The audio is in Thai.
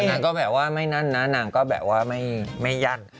นางก็แบบว่าไม่นั่นนะนางก็แบบว่าไม่ยั่น